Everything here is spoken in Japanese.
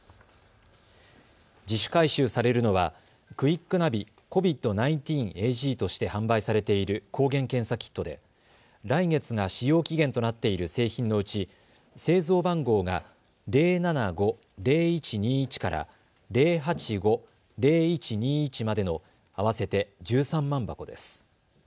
自主回収されるのはクイックナビ−ＣＯＶＩＤ１９Ａｇとして販売されている抗原検査キットで来月が使用期限となっている製品のうち製造番号が０７５０１２１から０８５０１２１までの合わせて１３万箱です。